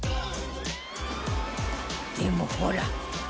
でもほら！